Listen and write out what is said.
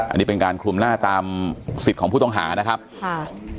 อันนี้เป็นการคลุมหน้าตามสิทธิ์ของผู้ต้องหานะครับค่ะ